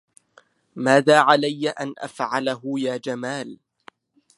ماذا علي أن أفعله يا جمال؟